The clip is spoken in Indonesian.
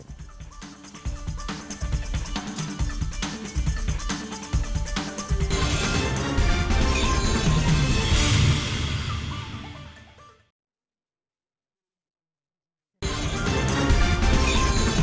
kami akan juga kembali bersajaran berikut ini